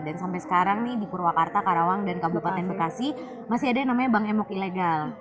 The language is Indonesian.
dan sampai sekarang nih di purwakarta karawang dan kabupaten bekasi masih ada yang namanya bank emok ilegal